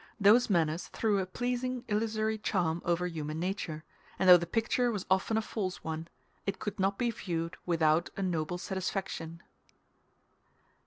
Those manners threw a pleasing illusory charm over human nature; and though the picture was often a false one, it could not be viewed without a noble satisfaction.